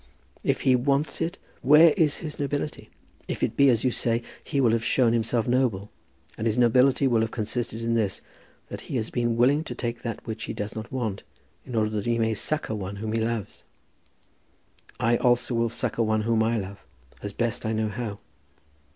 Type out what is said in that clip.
"If he wants it, where is his nobility? If it be as you say, he will have shown himself noble, and his nobility will have consisted in this, that he has been willing to take that which he does not want, in order that he may succour one whom he loves. I also will succour one whom I love, as best I know how."